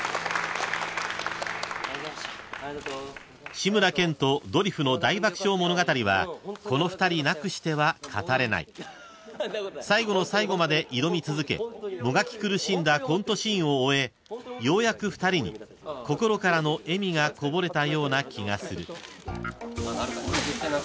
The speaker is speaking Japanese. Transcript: ［『志村けんとドリフの大爆笑物語』はこの２人なくしては語れない］［最後の最後まで挑み続けもがき苦しんだコントシーンを終えようやく２人に心からの笑みがこぼれたような気がする］